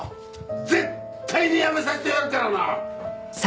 絶対にやめさせてやるからな！